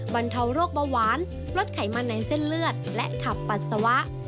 บรรเทาโรคเบาหวานลดไขมันในเส้นเลือดและขับปัสสาวะ